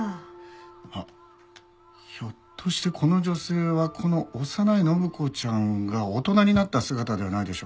あっひょっとしてこの女性はこの幼い展子ちゃんが大人になった姿ではないでしょうか？